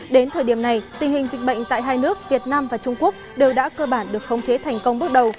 đến thời điểm này tình hình dịch bệnh tại hai nước việt nam và trung quốc đều đã cơ bản được khống chế thành công bước đầu